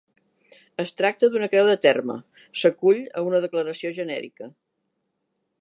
Es tracta d'una creu de terme, s'acull a una declaració genèrica.